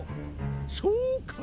そうか！